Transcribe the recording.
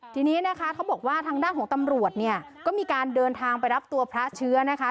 ทีนี้นะคะเขาบอกว่าทางด้านของตำรวจเนี่ยก็มีการเดินทางไปรับตัวพระเชื้อนะคะ